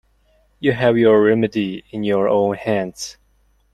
You have your remedy in your own hands.